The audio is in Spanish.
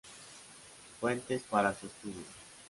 Fuentes para su estudio".